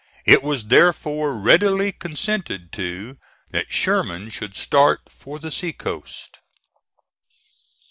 It was therefore readily consented to that Sherman should start for the sea coast.